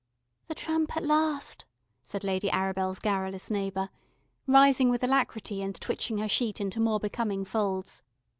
"The Trump at last," said Lady Arabel's garrulous neighbour, rising with alacrity, and twitching her sheet into more becoming folds.